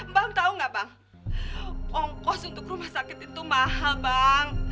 bang tau gak bang ongkos untuk rumah sakit itu mahal bang